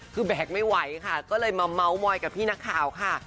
คือแบกไม่ไหวค่ะก็เลยมาเมาส์มอยกับพี่นักข่าวค่ะ